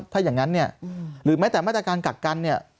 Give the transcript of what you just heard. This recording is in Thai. ถ้าอย่างนั้นหรือไม่แต่มาจากการกลับกัน